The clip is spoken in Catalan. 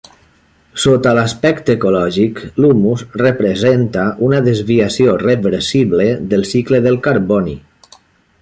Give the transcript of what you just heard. Sota l'aspecte ecològic l'humus representa una desviació reversible del cicle del carboni.